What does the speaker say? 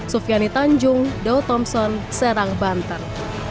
sofiani tanjung do thompson serang banten